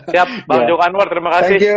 siap bang jok anwar terima kasih